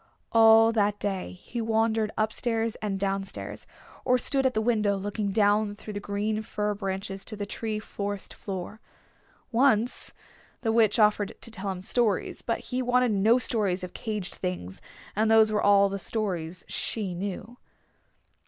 All that day he wandered up stairs and down stairs, or stood at the window looking down through the green fir branches to the free forest floor. Once the Witch offered to tell him stories. But he wanted no stories of caged things, and those were all the stories she knew.